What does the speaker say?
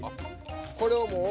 これをもう。